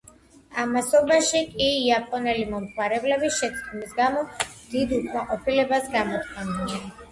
ამასობაში კი იაპონელი მომხმარებლები შეცდომის გამო დიდ უკმაყოფილებას გამოთქვამდნენ.